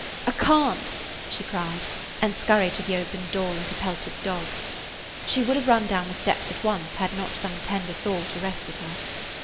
"I can't," she cried, and scurried to the open door like a pelted dog. She would have run down the steps at once had not some tender thought arrested her.